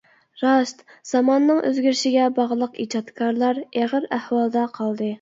راست، زاماننىڭ ئۆزگىرىشىگە باغلىق ئىجادكارلار ئېغىر ئەھۋالدا قالدى.